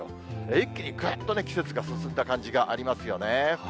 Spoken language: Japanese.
一気にぐっと季節が進んだ感じがありますよね。